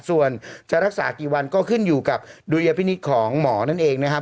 ส่วนจะรักษากี่วันก็ขึ้นอยู่กับดุลยพินิษฐ์ของหมอนั่นเองนะครับ